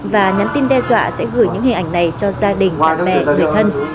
và nhắn tin đe dọa sẽ gửi những hình ảnh này cho gia đình bạn bè người thân